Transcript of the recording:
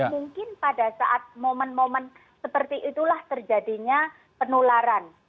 mungkin pada saat momen momen seperti itulah terjadinya penularan